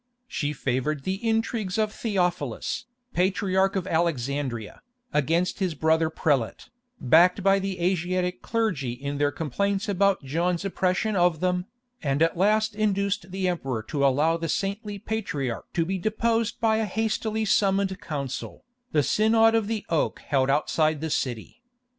She favoured the intrigues of Theophilus, Patriarch of Alexandria, against his brother prelate, backed the Asiatic clergy in their complaints about John's oppression of them, and at last induced the Emperor to allow the saintly patriarch to be deposed by a hastily summoned council, the "Synod of the Oak" held outside the city.